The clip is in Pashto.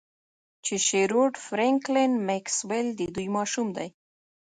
چې شیروډ فرینکلین میکسویل د دوی ماشوم دی